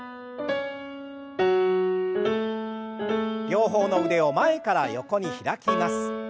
両方の腕を前から横に開きます。